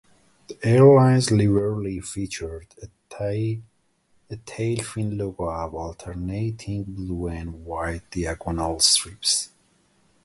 The airline's livery featured a tailfin logo of alternating blue and white diagonal stripes.